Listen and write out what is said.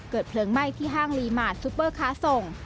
เพลิงไหม้ที่ห้างรีมาร์ทซุปเปอร์ค้าส่ง